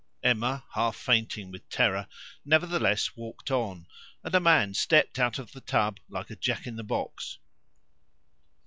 Emma, half fainting with terror, nevertheless walked on, and a man stepped out of the tub like a Jack in the box.